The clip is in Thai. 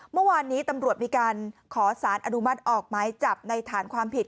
เมื่อวานนี้ตำรวจมีการขอสารอนุมัติออกไม้จับในฐานความผิด